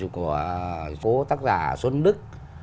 cố tác giả xuân đức